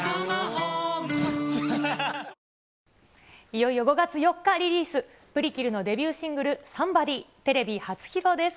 いよいよ５月４日リリース、ＰＲＩＫＩＬのデビューシングル、ＳＯＭＥＢＯＤＹ、テレビ初披露です。